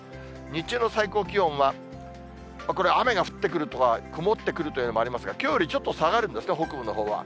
日中の最高気温は、これ、雨が降ってくるとか曇ってくるというのもありますが、きょうよりちょっと下がるんですね、北部のほうは。